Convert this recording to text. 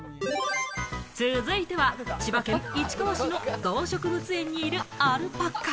続いては千葉県市川市の動植物園にいるアルパカ。